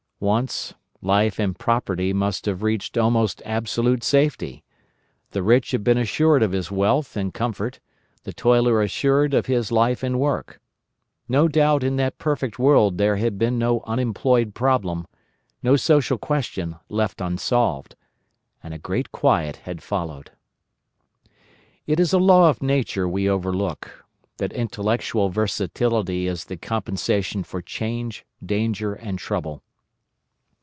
Once, life and property must have reached almost absolute safety. The rich had been assured of his wealth and comfort, the toiler assured of his life and work. No doubt in that perfect world there had been no unemployed problem, no social question left unsolved. And a great quiet had followed. "It is a law of nature we overlook, that intellectual versatility is the compensation for change, danger, and trouble.